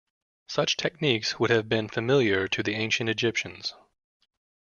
Such techniques would have been familiar to the ancient Egyptians.